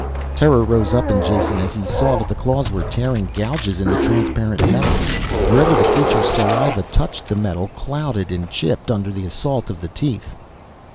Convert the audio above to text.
Terror rose up in Jason as he saw that the claws were tearing gouges in the transparent metal. Wherever the creature's saliva touched the metal clouded and chipped under the assault of the teeth.